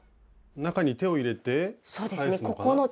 中に手を入れて返すのかな？